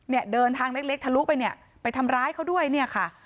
เนี่ยเดินทางเล็กเล็กทะลุไปเนี่ยไปทำร้ายเขาด้วยเนี่ยค่ะ